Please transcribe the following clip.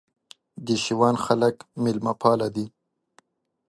د شېوان خلک مېلمه پاله دي